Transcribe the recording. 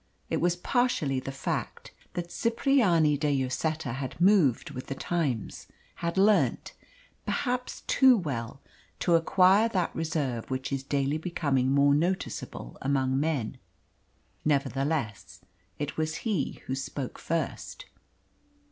It was partially the fact that Cipriani de Lloseta had moved with the times had learnt, perhaps, too well, to acquire that reserve which is daily becoming more noticeable among men. Nevertheless, it was he who spoke first.